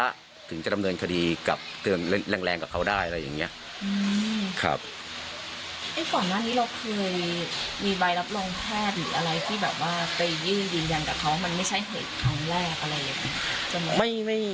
จนถึงจะทำเดินคดีกับกลางแรงเค้าได้